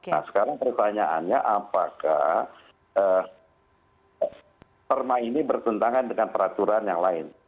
nah sekarang pertanyaannya apakah perma ini bertentangan dengan peraturan yang lain